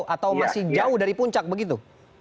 atau masih jauh dari puncak begitu